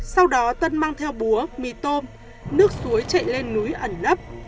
sau đó tân mang theo búa mì tôm nước suối chạy lên núi ẩn nấp